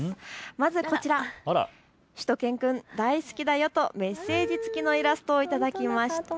まずこちら、しゅと犬くん大好きだよとメッセージつきのイラストをいただきました。